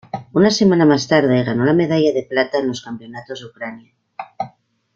Una semana más tarde, ganó la medalla de plata en los Campeonatos de Ucrania.